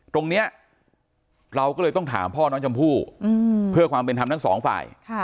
ตรงนี้เราก็เลยต้องถามพ่อน้องชมพู่เพื่อความเป็นธรรมทั้งสองฝ่าย